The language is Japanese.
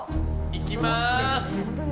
いきます！